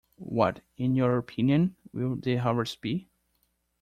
What, in your opinion, will the harvest be?